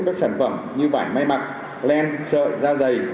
các sản phẩm như vải may mặt len sợi da dày